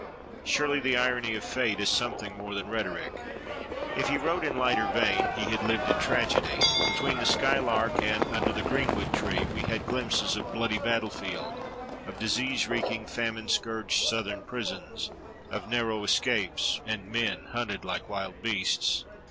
Surely the irony of fate is something more than rhetoric. If he wrote in lighter vein, he had lived in tragedy; between The Skylark and Under the Greenwood Tree we had glimpses of bloody battlefield, of disease reeking, famine scourged Southern prisons, of narrow escapes, and men hunted like wild beasts.